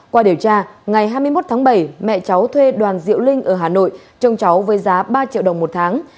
qua điều tra ngày hai mươi một tháng bảy mẹ cháu thuê đoàn diệu linh ở hà nội trông cháu với giá ba triệu đồng một tháng